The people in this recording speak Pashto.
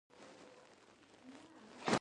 د اصلاحاتو په ځای د عادت له مخې چارې پيلوي.